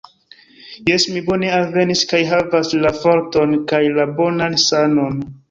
Jes, mi bone alvenis, kaj havas la forton kaj la bonan sanon